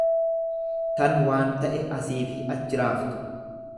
tan waan ta'e asiifi achi raaftu.